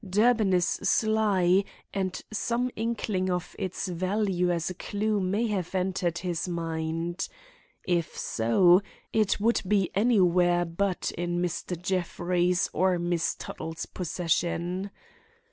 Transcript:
Durbin is sly and some inkling of its value as a clue may have entered his mind. If so, it would be anywhere but in Mr. Jeffrey's or Miss Tuttle's possession.